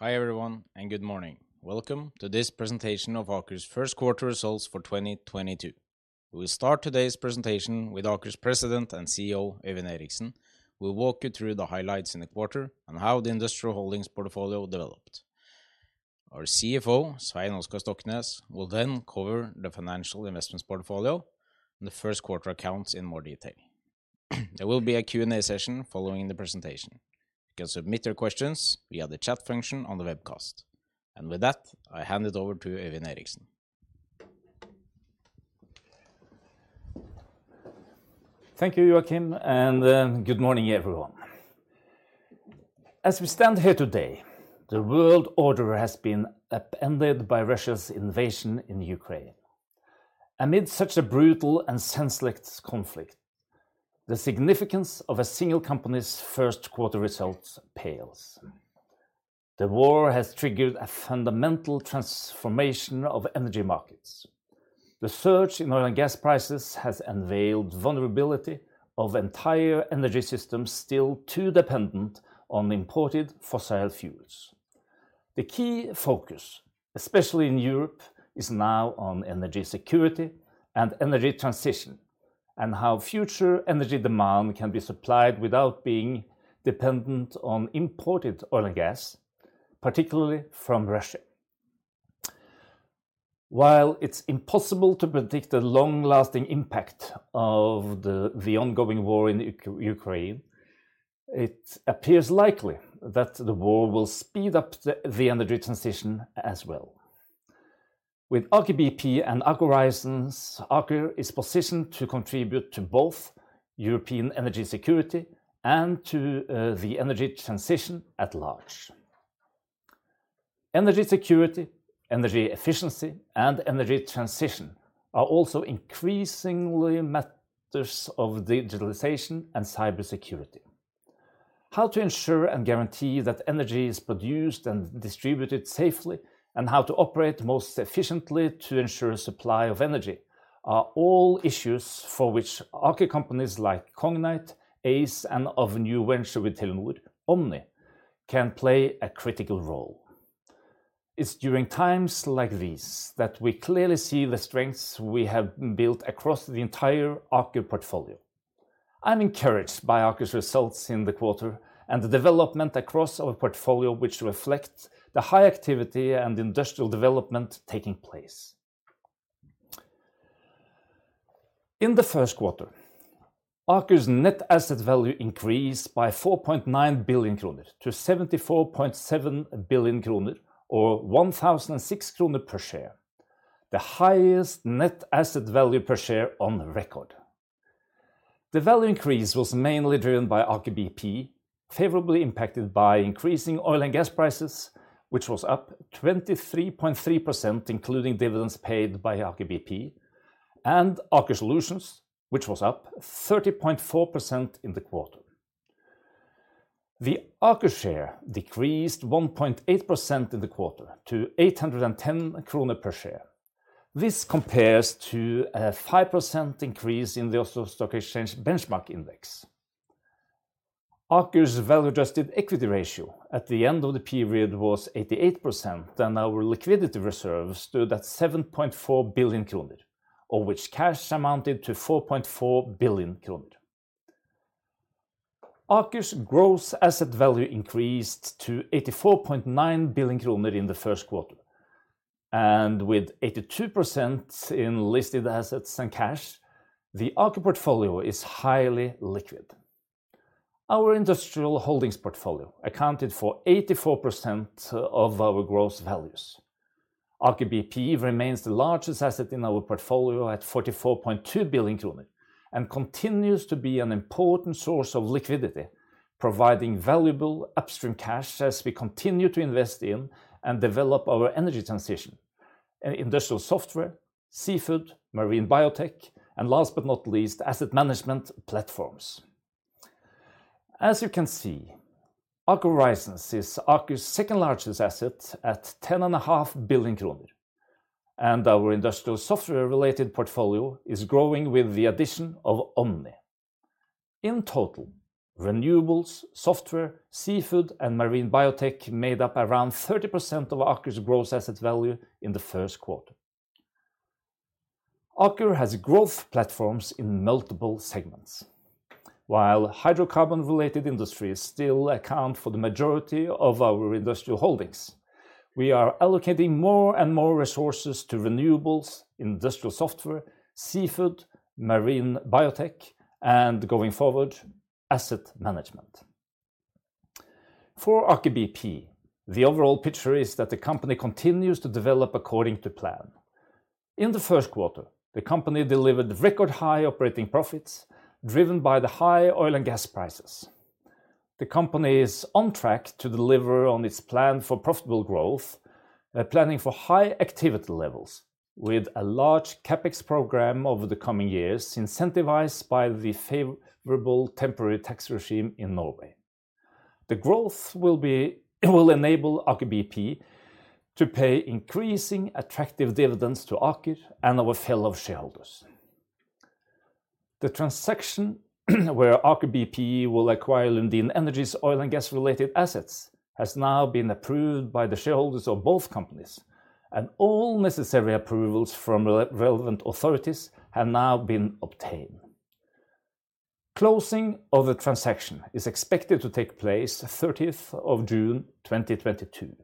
Hi, everyone, and good morning. Welcome to this presentation of Aker's first quarter results for 2022. We'll start today's presentation with Aker's President and CEO, Øyvind Eriksen, who will walk you through the highlights in the quarter and how the Industrial Holdings portfolio developed. Our CFO, Svein Oskar Stoknes, will then cover the financial investments portfolio and the first quarter accounts in more detail. There will be a Q&A session following the presentation. You can submit your questions via the chat function on the webcast. With that, I hand it over to Øyvind Eriksen. Thank you, Joachim, and good morning, everyone. As we stand here today, the world order has been upended by Russia's invasion in Ukraine. Amid such a brutal and senseless conflict, the significance of a single company's first quarter results pales. The war has triggered a fundamental transformation of energy markets. The surge in oil and gas prices has unveiled vulnerability of entire energy systems still too dependent on imported fossil fuels. The key focus, especially in Europe, is now on energy security and energy transition and how future energy demand can be supplied without being dependent on imported oil and gas, particularly from Russia. While it's impossible to predict the long-lasting impact of the ongoing war in Ukraine, it appears likely that the war will speed up the energy transition as well. With Aker BP and Aker Horizons, Aker is positioned to contribute to both European energy security and to the energy transition at large. Energy security, energy efficiency, and energy transition are also increasingly matters of digitalization and cybersecurity. How to ensure and guarantee that energy is produced and distributed safely and how to operate most efficiently to ensure supply of energy are all issues for which Aker companies like Cognite, Aize, and our new venture with Telenor, Omny, can play a critical role. It's during times like these that we clearly see the strengths we have built across the entire Aker portfolio. I'm encouraged by Aker's results in the quarter and the development across our portfolio which reflect the high activity and industrial development taking place. In the first quarter, Aker's net asset value increased by 4.9 billion kroner to 74.7 billion kroner, or 1,006 kroner per share, the highest net asset value per share on record. The value increase was mainly driven by Aker BP, favorably impacted by increasing oil and gas prices, which was up 23.3%, including dividends paid by Aker BP, and Aker Solutions, which was up 30.4% in the quarter. The Aker share decreased 1.8% in the quarter to 810 kroner per share. This compares to a 5% increase in the Oslo Stock Exchange benchmark index. Aker's value-adjusted equity ratio at the end of the period was 88%, and our liquidity reserves stood at 7.4 billion kroner, of which cash amounted to 4.4 billion kroner. Aker's gross asset value increased to 84.9 billion kroner in the first quarter. With 82% in listed assets and cash, the Aker portfolio is highly liquid. Our Industrial Holdings portfolio accounted for 84% of our gross values. Aker BP remains the largest asset in our portfolio at 44.2 billion kroner and continues to be an important source of liquidity, providing valuable upstream cash as we continue to invest in and develop our energy transition, industrial software, seafood, marine biotech, and last but not least, asset management platforms. As you can see, Aker Horizons is Aker's second-largest asset at 10.5 billion kroner, and our industrial software-related portfolio is growing with the addition of Omny. In total, renewables, software, seafood, and marine biotech made up around 30% of Aker's gross asset value in the first quarter. Aker has growth platforms in multiple segments. While hydrocarbon-related industries still account for the majority of our Industrial Holdings, we are allocating more and more resources to renewables, industrial software, seafood, marine biotech, and going forward, asset management. For Aker BP, the overall picture is that the company continues to develop according to plan. In the first quarter, the company delivered record high operating profits driven by the high oil and gas prices. The company is on track to deliver on its plan for profitable growth, planning for high activity levels with a large CapEx program over the coming years, incentivized by the favorable temporary tax regime in Norway. The growth will enable Aker BP to pay increasing attractive dividends to Aker and our fellow shareholders. The transaction where Aker BP will acquire Lundin Energy's oil and gas related assets has now been approved by the shareholders of both companies, and all necessary approvals from relevant authorities have now been obtained. Closing of the transaction is expected to take place 30th of June 2022.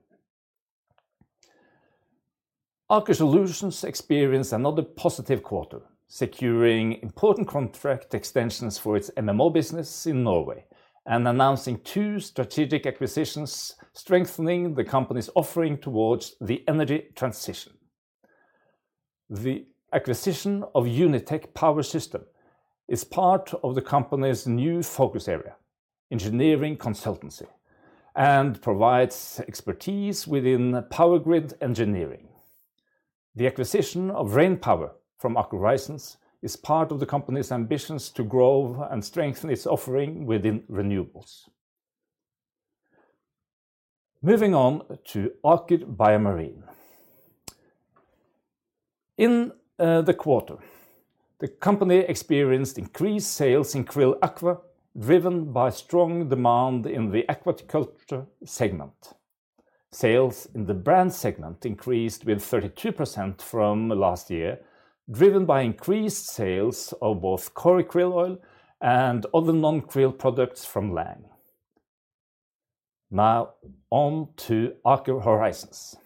Aker Solutions experienced another positive quarter, securing important contract extensions for its MMO business in Norway and announcing two strategic acquisitions, strengthening the company's offering towards the energy transition. The acquisition of Unitech Power Systems is part of the company's new focus area, engineering consultancy, and provides expertise within power grid engineering. The acquisition of Rainpower from Aker Horizons is part of the company's ambitions to grow and strengthen its offering within renewables. Moving on to Aker BioMarine. In the quarter, the company experienced increased sales in QRILL Aqua, driven by strong demand in the aquaculture segment. Sales in the brand segment increased 32% from last year, driven by increased sales of both Superba Krill Oil and other non-krill products from Lang. Now on to Aker Horizons.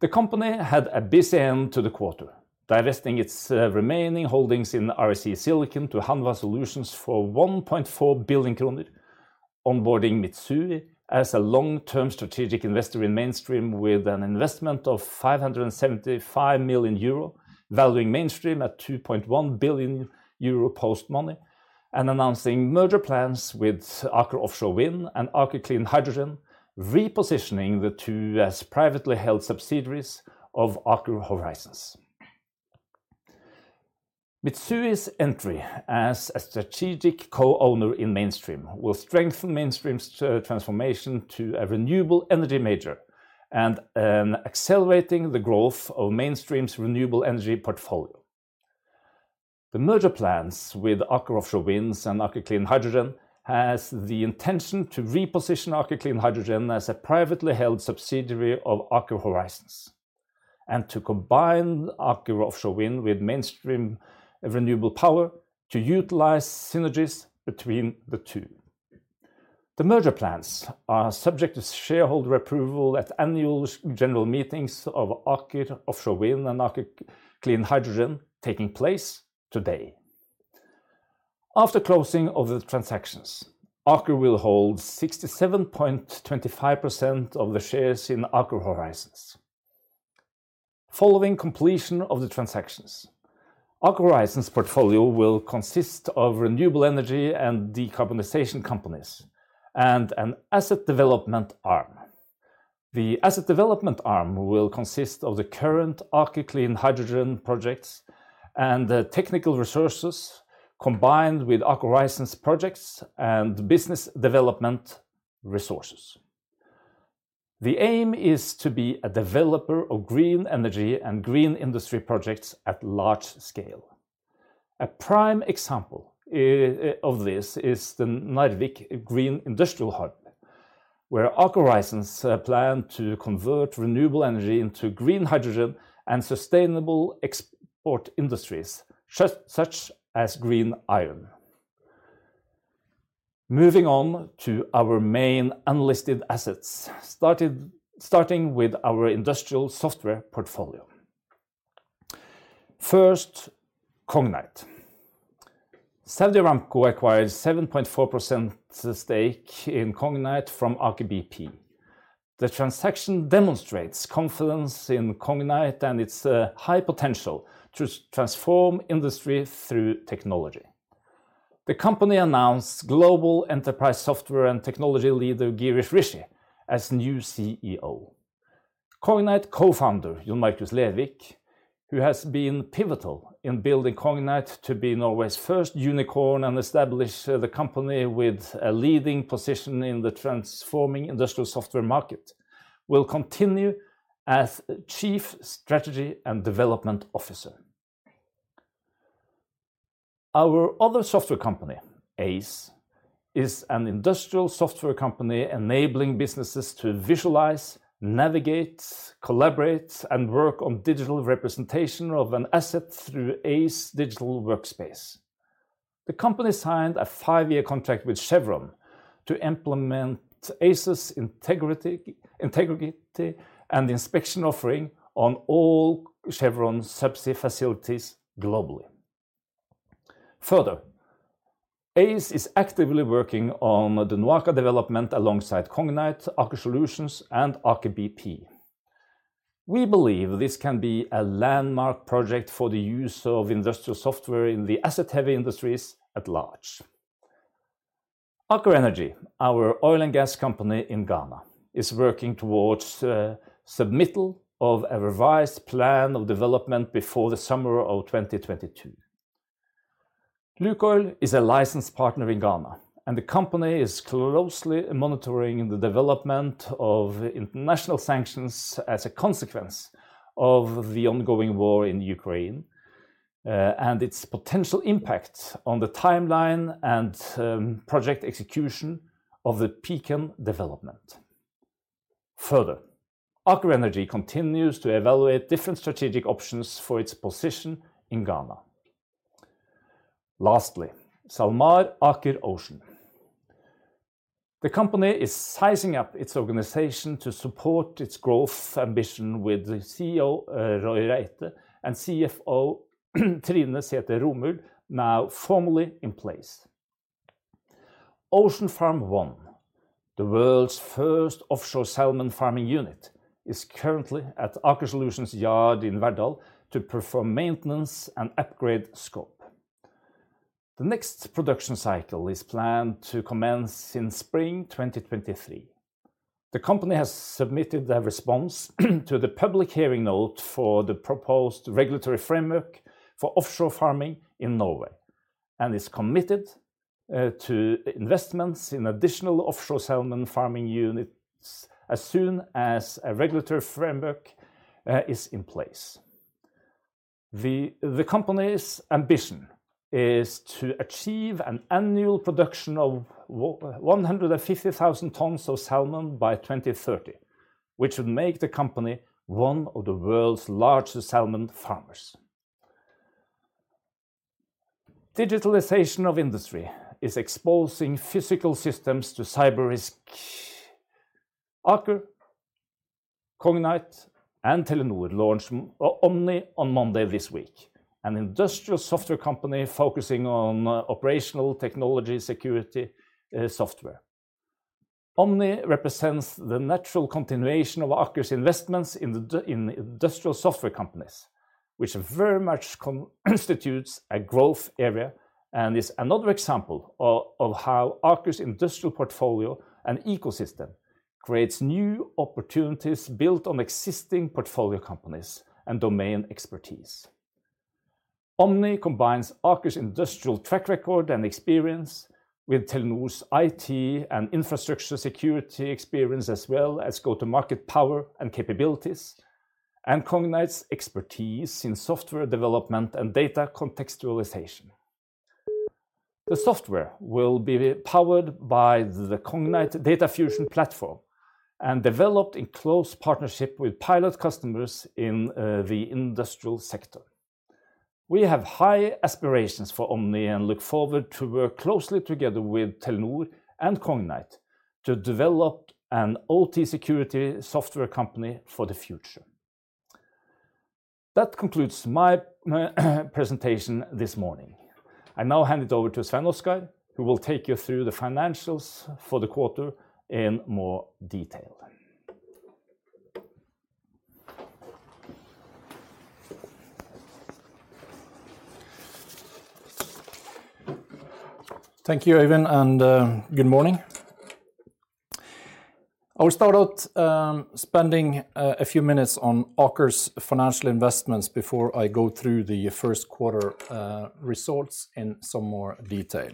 The company had a busy end to the quarter, divesting its remaining holdings in REC Silicon to Hanwha Solutions for 1.4 billion kroner, onboarding Mitsui as a long-term strategic investor in Mainstream with an investment of 575 million euro, valuing Mainstream at 2.1 billion euro post money, and announcing merger plans with Aker Offshore Wind and Aker Clean Hydrogen, repositioning the two as privately held subsidiaries of Aker Horizons. Mitsui's entry as a strategic co-owner in Mainstream will strengthen Mainstream's transformation to a renewable energy major and accelerating the growth of Mainstream's renewable energy portfolio. The merger plans with Aker Offshore Wind and Aker Clean Hydrogen has the intention to reposition Aker Clean Hydrogen as a privately held subsidiary of Aker Horizons, and to combine Aker Offshore Wind with Mainstream Renewable Power to utilize synergies between the two. The merger plans are subject to shareholder approval at annual general meetings of Aker Offshore Wind and Aker Clean Hydrogen taking place today. After closing of the transactions, Aker will hold 67.25% of the shares in Aker Horizons. Following completion of the transactions, Aker Horizons portfolio will consist of renewable energy and decarbonization companies and an asset development arm. The asset development arm will consist of the current Aker Clean Hydrogen projects and the technical resources combined with Aker Horizons projects and business development resources. The aim is to be a developer of green energy and green industry projects at large scale. A prime example of this is the Narvik Green Industrial Hub, where Aker Horizons plan to convert renewable energy into green hydrogen and sustainable export industries, such as green iron. Moving on to our main unlisted assets, starting with our industrial software portfolio. First, Cognite. Saudi Aramco acquired 7.4% stake in Cognite from Aker BP. The transaction demonstrates confidence in Cognite and its high potential to transform industry through technology. The company announced global enterprise software and technology leader Girish Rishi as new CEO. Cognite co-founder, John Markus Lervik, who has been pivotal in building Cognite to be Norway's first unicorn and establish the company with a leading position in the transforming industrial software market, will continue as Chief Strategy and Development Officer. Our other software company, Aize, is an industrial software company enabling businesses to visualize, navigate, collaborate, and work on digital representation of an asset through Aize digital workspace. The company signed a five-year contract with Chevron to implement Aize's integrity and inspection offering on all Chevron subsea facilities globally. Further, Aize is actively working on the NOAKA development alongside Cognite, Aker Solutions, and Aker BP. We believe this can be a landmark project for the use of industrial software in the asset-heavy industries at large. Aker Energy, our oil and gas company in Ghana, is working towards submittal of a revised plan of development before the summer of 2022. LUKOIL is a licensed partner in Ghana. The company is closely monitoring the development of international sanctions as a consequence of the ongoing war in Ukraine, and its potential impact on the timeline and project execution of the Pecan development. Further, Aker Energy continues to evaluate different strategic options for its position in Ghana. Lastly, SalMar Aker Ocean. The company is sizing up its organization to support its growth ambition with the CEO, Roy Reite, and CFO, Trine Sæther Romuld, now formally in place. Ocean Farm One, the world's first offshore salmon farming unit, is currently at Aker Solutions yard in Verdal to perform maintenance and upgrade scope. The next production cycle is planned to commence in spring 2023. The company has submitted their response to the public hearing note for the proposed regulatory framework for offshore farming in Norway and is committed to investments in additional offshore salmon farming units as soon as a regulatory framework is in place. The company's ambition is to achieve an annual production of 150,000 tons of salmon by 2030, which would make the company one of the world's largest salmon farmers. Digitalization of industry is exposing physical systems to cyber risk. Aker, Cognite, and Telenor launched Omny on Monday this week, an industrial software company focusing on operational technology security software. Omny represents the natural continuation of Aker's investments in industrial software companies, which very much constitutes a growth area and is another example of how Aker's industrial portfolio and ecosystem creates new opportunities built on existing portfolio companies and domain expertise. Omny combines Aker's industrial track record and experience with Telenor's IT and infrastructure security experience as well as go-to-market power and capabilities and Cognite's expertise in software development and data contextualization. The software will be powered by the Cognite Data Fusion Platform and developed in close partnership with pilot customers in the industrial sector. We have high aspirations for Omny and look forward to work closely together with Telenor and Cognite to develop an OT security software company for the future. That concludes my presentation this morning. I now hand it over to Svein Oskar Stoknes, who will take you through the financials for the quarter in more detail. Thank you, Øyvind, and good morning. I will start out spending a few minutes on Aker's financial investments before I go through the first quarter results in some more detail.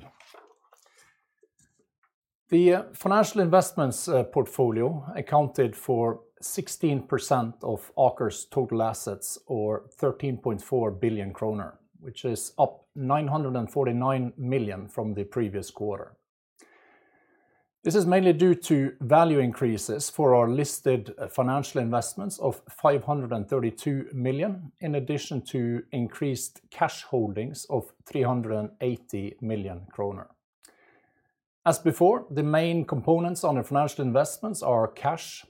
The financial investments portfolio accounted for 16% of Aker's total assets or 13.4 billion kroner, which is up 949 million from the previous quarter. This is mainly due to value increases for our listed financial investments of 532 million, in addition to increased cash holdings of 380 million kroner. As before, the main components on the financial investments are cash,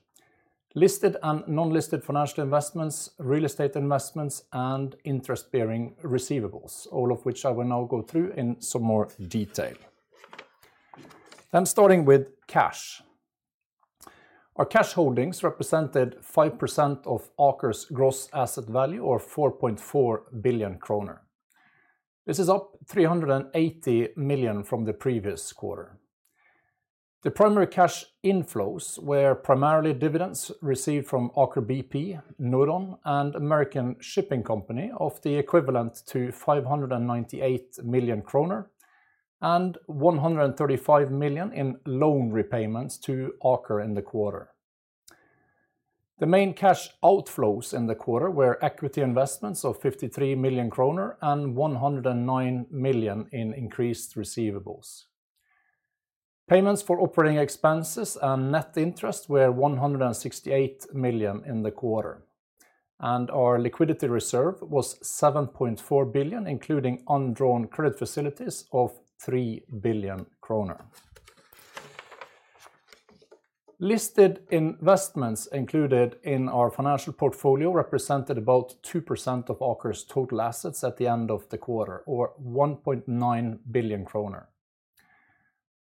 listed and non-listed financial investments, real estate investments, and interest-bearing receivables, all of which I will now go through in some more detail. I'm starting with cash. Our cash holdings represented 5% of Aker's gross asset value or 4.4 billion kroner. This is up 380 million from the previous quarter. The primary cash inflows were primarily dividends received from Aker BP, Norron, and American Shipping Company of the equivalent to 598 million kroner and 135 million in loan repayments to Aker in the quarter. The main cash outflows in the quarter were equity investments of 53 million kroner and 109 million in increased receivables. Payments for operating expenses and net interest were 168 million in the quarter, and our liquidity reserve was 7.4 billion, including undrawn credit facilities of 3 billion kroner. Listed investments included in our financial portfolio represented about 2% of Aker's total assets at the end of the quarter or 1.9 billion kroner.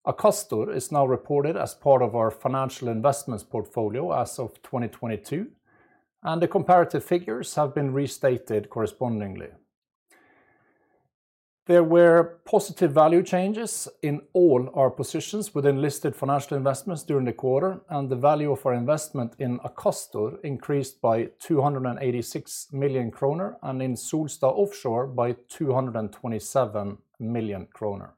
Akastor is now reported as part of our financial investments portfolio as of 2022, and the comparative figures have been restated correspondingly. There were positive value changes in all our positions within listed financial investments during the quarter, and the value of our investment in Akastor increased by 286 million kroner and in Solstad Offshore by 227 million kroner.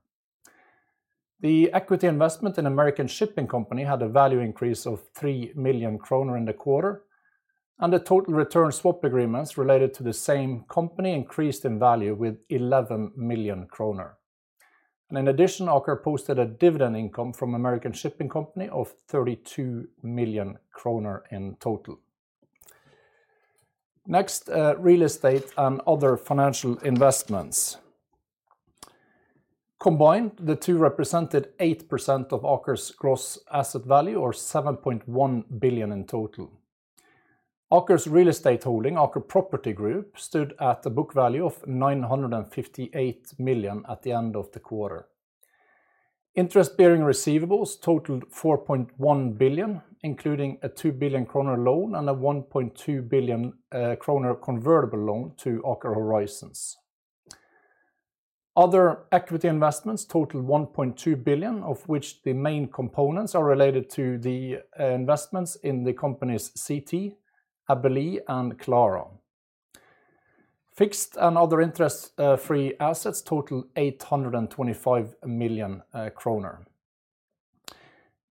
The equity investment in American Shipping Company had a value increase of 3 million kroner in the quarter, and the total return swap agreements related to the same company increased in value with 11 million kroner. In addition, Aker posted a dividend income from American Shipping Company of 32 million kroner in total. Next, real estate and other financial investments. Combined, the two represented 8% of Aker's gross asset value, or 7.1 billion in total. Aker's real estate holding, Aker Property Group, stood at a book value of 958 million at the end of the quarter. Interest-bearing receivables totaled 4.1 billion, including a 2 billion kroner loan and a 1.2 billion kroner convertible loan to Aker Horizons. Other equity investments totaled 1.2 billion, of which the main components are related to the investments in the companies CT, Aibel, and Klaro. Fixed and other interest-free assets total 825 million kroner.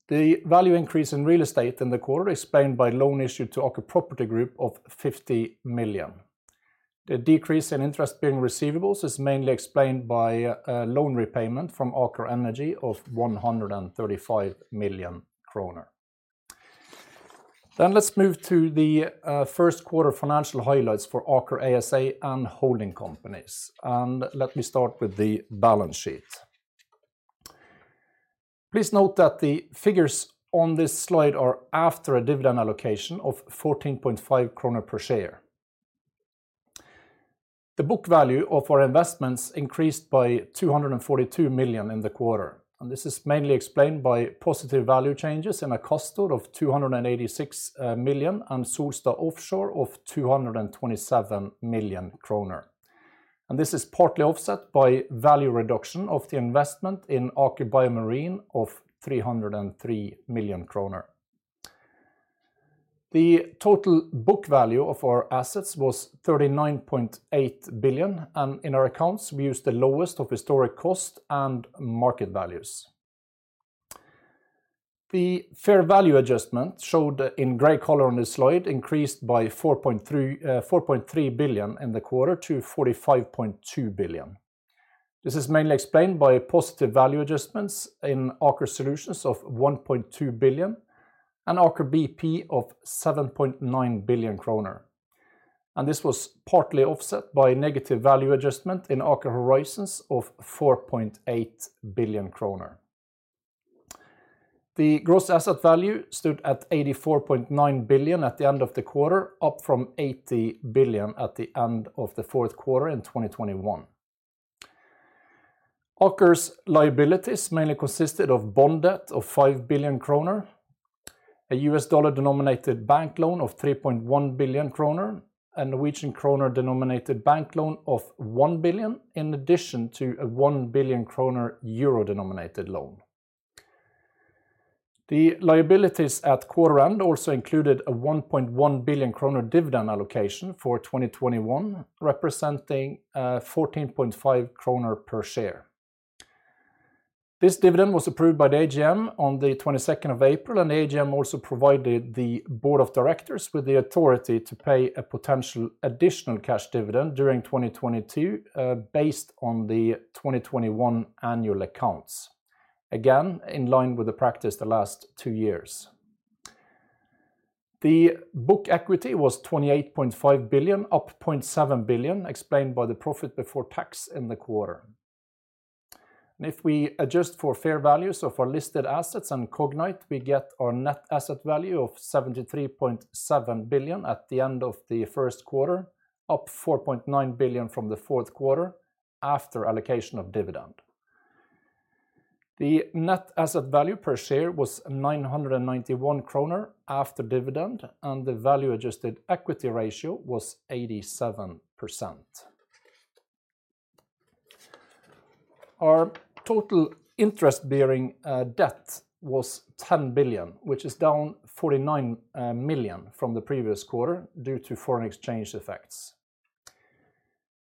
The value increase in real estate in the quarter is explained by loan issued to Aker Property Group of 50 million. The decrease in interest-bearing receivables is mainly explained by a loan repayment from Aker Energy of 135 million kroner. Let's move to the first quarter financial highlights for Aker ASA and holding companies. Let me start with the balance sheet. Please note that the figures on this slide are after a dividend allocation of 14.5 kroner per share. The book value of our investments increased by 242 million in the quarter, and this is mainly explained by positive value changes in Akastor of 286 million and Solstad Offshore of 227 million kroner. This is partly offset by value reduction of the investment in Aker BioMarine of 303 million kroner. The total book value of our assets was 39.8 billion, and in our accounts, we used the lowest of historic cost and market values. The fair value adjustment, showed in gray color on this slide, increased by 4.3 billion in the quarter to 45.2 billion. This is mainly explained by positive value adjustments in Aker Solutions of 1.2 billion and Aker BP of 7.9 billion kroner. This was partly offset by negative value adjustment in Aker Horizons of 4.8 billion kroner. The gross asset value stood at 84.9 billion at the end of the quarter, up from 80 billion at the end of the fourth quarter in 2021. Aker's liabilities mainly consisted of bond debt of 5 billion kroner, a U.S. dollar-denominated bank loan of 3.1 billion kroner, a Norwegian kroner-denominated bank loan of 1 billion, in addition to a 1 billion kroner euro-denominated loan. The liabilities at quarter end also included a 1.1 billion kroner dividend allocation for 2021, representing 14.5 kroner per share. This dividend was approved by the AGM on the 22nd of April, and the AGM also provided the board of directors with the authority to pay a potential additional cash dividend during 2022, based on the 2021 annual accounts, again, in line with the practice the last two years. The book equity was 28.5 billion, up 0.7 billion, explained by the profit before tax in the quarter. If we adjust for fair values of our listed assets and Cognite, we get our net asset value of 73.7 billion at the end of the first quarter, up 4.9 billion from the fourth quarter after allocation of dividend. The net asset value per share was 991 kroner after dividend, and the value-adjusted equity ratio was 87%. Our total interest-bearing debt was 10 billion, which is down 49 million from the previous quarter due to foreign exchange effects.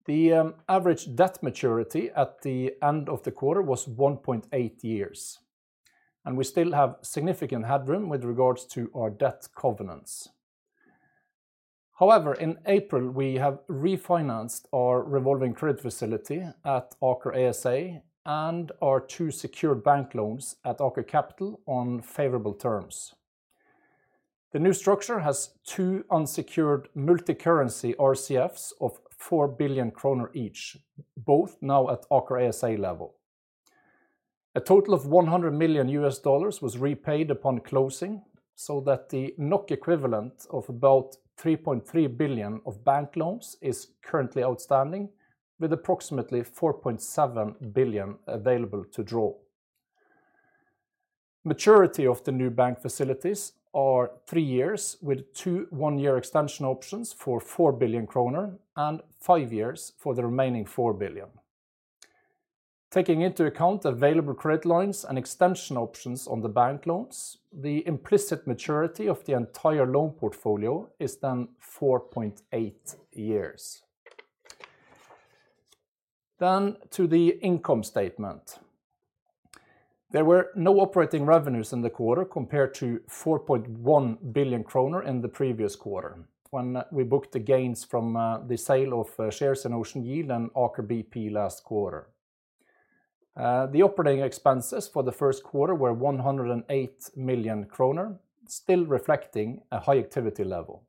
The average debt maturity at the end of the quarter was 1.8 years, and we still have significant headroom with regards to our debt covenants. However, in April, we have refinanced our revolving credit facility at Aker ASA and our two secured bank loans at Aker Capital on favorable terms. The new structure has two unsecured multicurrency RCFs of 4 billion kroner each, both now at Aker ASA level. A total of $100 million was repaid upon closing, so that the NOK equivalent of about 3.3 billion of bank loans is currently outstanding, with approximately 4.7 billion available to draw. Maturity of the new bank facilities are three years, with two one-year extension options for 4 billion kroner and five years for the remaining 4 billion. Taking into account available credit lines and extension options on the bank loans, the implicit maturity of the entire loan portfolio is 4.8 years. To the income statement. There were no operating revenues in the quarter compared to 4.1 billion kroner in the previous quarter when we booked the gains from the sale of shares in Ocean Yield and Aker BP last quarter. The operating expenses for the first quarter were 108 million kroner, still reflecting a high activity level.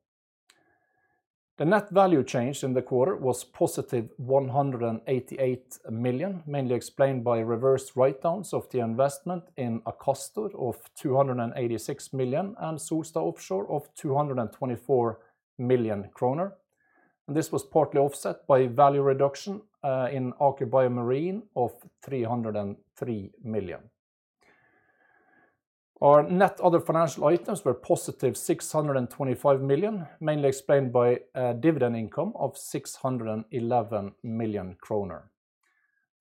The net value change in the quarter was positive 188 million, mainly explained by reversed write-downs of the investment in Akastor of 286 million and Solstad Offshore of 224 million kroner. This was partly offset by value reduction in Aker BioMarine of 303 million. Our net other financial items were positive 625 million, mainly explained by a dividend income of 611 million kroner.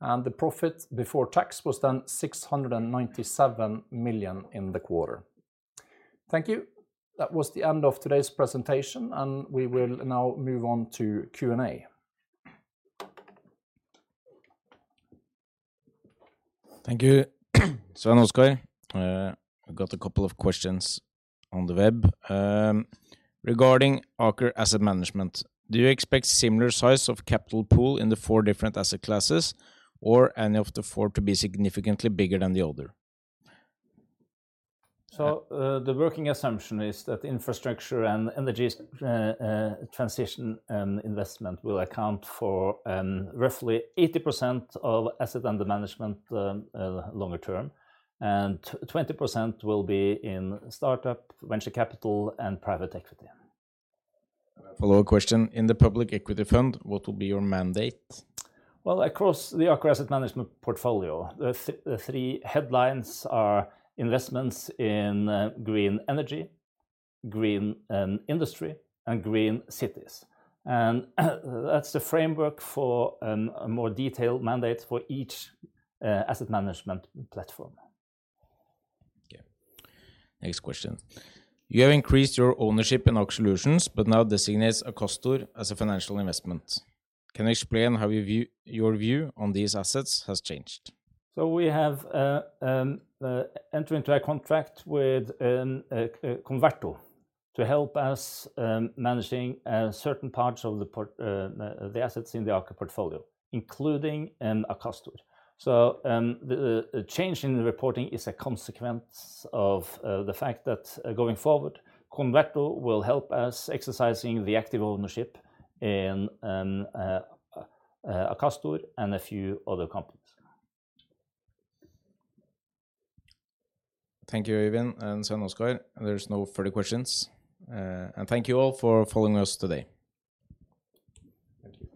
The profit before tax was then 697 million in the quarter. Thank you. That was the end of today's presentation, and we will now move on to Q&A. Thank you, Svein Oskar. I've got a couple of questions on the web. Regarding Aker Asset Management, do you expect similar size of capital pool in the four different asset classes or any of the four to be significantly bigger than the other? The working assumption is that infrastructure and energy transition and investment will account for roughly 80% of assets under management longer term, and 20% will be in startup, venture capital, and private equity. Follow-up question. In the public equity fund, what will be your mandate? Well, across the Aker Asset Management portfolio, the three headlines are investments in green energy, green industry, and green cities. That's the framework for a more detailed mandate for each asset management platform. Okay. Next question. You have increased your ownership in Aker Solutions but now designate Akastor as a financial investment. Can you explain how your view on these assets has changed? We have entered into a contract with Converto to help us managing certain parts of the assets in the Aker portfolio, including Akastor. The change in the reporting is a consequence of the fact that going forward, Converto will help us exercising the active ownership in Akastor and a few other companies. Thank you, Øyvind and Svein Oskar. There's no further questions. Thank you all for following us today. Thank you.